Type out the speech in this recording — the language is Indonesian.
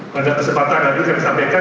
pada kesempatan yang tadi saya sampaikan